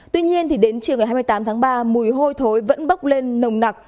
tuy nhiên đến chiều ngày hai mươi tám tháng ba mùi hôi thối vẫn bốc lên nồng nặc